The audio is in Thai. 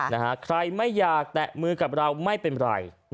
ใครไม่อยากแตะมือกับเราไม่เป็นไร